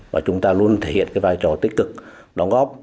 và chúng ta luôn thể hiện cái vai trò tích cực đóng góp